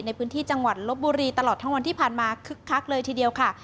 ในพื้นที่จังหวัดลบบุรีตลอดทั้งวันที่ผ่านมาคึกคักเลยทีเดียวค่ะ